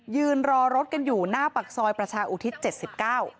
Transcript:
ยืนรอรถกันอยู่หน้าปากซอยประชาอุทิศเจ็ดสิบเก้า